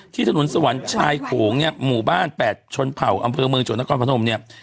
ถนนสวรรค์ชายโขงเนี่ยหมู่บ้าน๘ชนเผ่าอำเภอเมืองจังหวัดนครพนมเนี่ย